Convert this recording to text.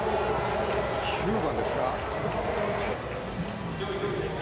９番ですか？